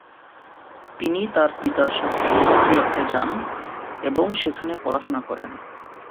তিনি তার পিতার সাথে নিউ ইয়র্কে যান এবং সেখানে পড়াশোনা করেন।